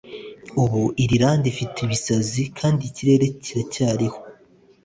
Ubu Irlande ifite ibisazi kandi ikirere kiracyariho,